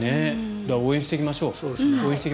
応援していきましょう。